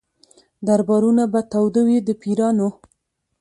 دربارونه به تاوده وي د پیرانو